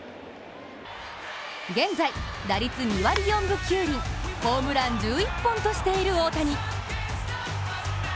現在、打率２割４分９厘、ホームラン１１本としている大谷。